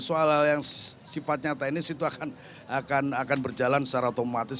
soal hal yang sifatnya teknis itu akan berjalan secara otomatis